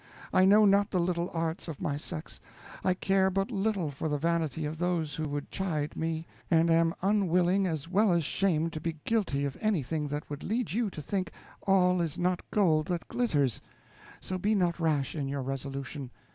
I know not the little arts of my sex. I care but little for the vanity of those who would chide me, and am unwilling as well as shamed to be guilty of anything that would lead you to think 'all is not gold that glitters'; so be not rash in your resolution.